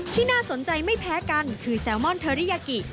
น่าสนใจไม่แพ้กันคือแซลมอนเทอริยากิ